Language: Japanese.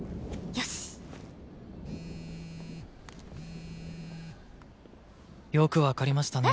タッよく分かりましたね。